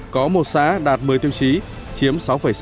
có một xã đạt một mươi tiêu chí chiếm sáu sáu